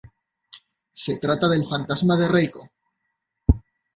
Se trata del fantasma de Reiko.